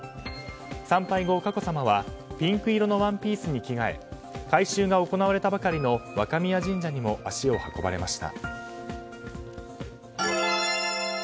参拝後、佳子さまはピンク色のワンピースに着替え改修が行われたばかりの若宮神社にも足を運ばれました。